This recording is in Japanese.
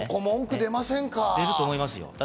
出ると思いますよ。